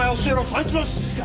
そいつの指示か！？